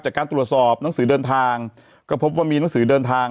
จากการตรวจสอบหนังสือเดินทางก็พบว่ามีหนังสือเดินทาง